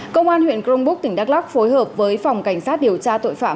công an huyện cronbúc tỉnh đắk lắc phối hợp với phòng cảnh sát điều tra tội phạm